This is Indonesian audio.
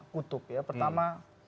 kutub ya pertama